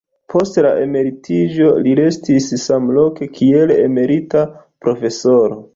Post la emeritiĝo li restis samloke kiel emerita profesoro.